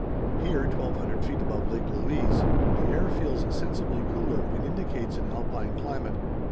Here, 1200 feet above Lake Louise, the air feels sensibly cooler and indicates an Alpine climate.